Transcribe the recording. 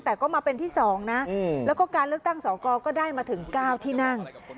แต่ก็มาเป็นที่๒นะแล้วก็การเลือกตั้งสอกรก็ได้มาถึง๙ที่นั่ง